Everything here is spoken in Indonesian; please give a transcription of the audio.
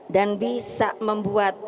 dan bisa membuat